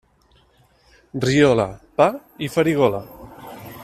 Riola, pa i farigola.